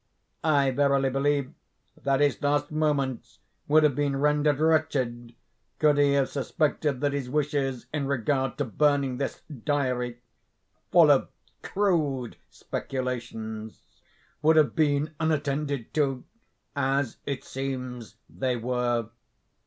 I verily believe that his last moments would have been rendered wretched, could he have suspected that his wishes in regard to burning this 'Diary' (full of crude speculations) would have been unattended to; as, it seems, they were.